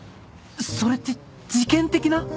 それって事件的な？